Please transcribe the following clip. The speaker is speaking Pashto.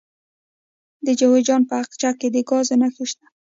د جوزجان په اقچه کې د ګازو نښې شته.